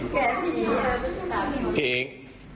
เพียง